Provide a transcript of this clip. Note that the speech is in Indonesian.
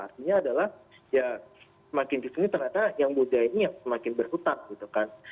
artinya adalah ya semakin di sini ternyata yang muda ini yang semakin berhutang gitu kan